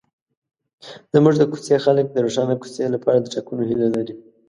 زموږ د کوڅې خلک د روښانه کوڅې لپاره د ټاکنو هیله لري.